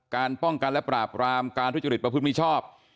การป้องกันและปราบรามการทุจริตประพฤติมิชชอบ